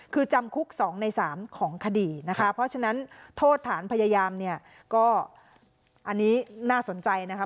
คือจำคุก๒ใน๓ของคดีนะคะเพราะฉะนั้นโทษฐานพยายามเนี่ยก็อันนี้น่าสนใจนะคะ